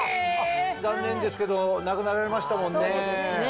残念ですけど亡くなられましたもんね。